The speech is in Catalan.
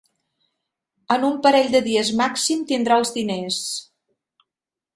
En un parell de dies màxim tindrà els diners.